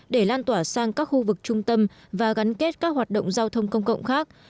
để lan tỏa sang các khu vực trung tâm và gắn kết các hoạt động giao thông công cộng khác